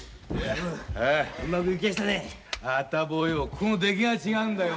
ここの出来が違うんだよ。